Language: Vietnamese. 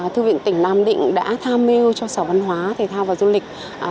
thư viện tỉnh nam định đã tham mưu cho sở văn hóa thể thao và du lịch